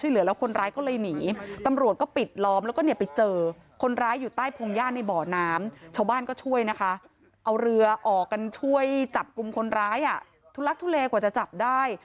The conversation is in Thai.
เอาเรือออกกันช่วยจับกลุ่มคนร้ายอ่ะทุลักทุเลกว่าจะจับได้